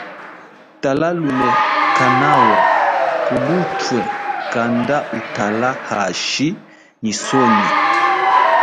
Tala lume kanawa kulutwe kanda utala hashi nyi sonyi.